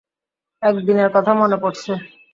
একদিনের কথা মনে পড়ছে।